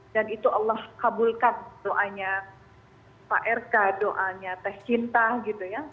dan itu allah kabulkan doanya pak rk doanya teh cinta gitu ya